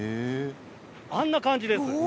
あんな感じです。